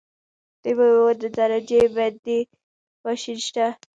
د میوو د درجه بندۍ ماشین شته؟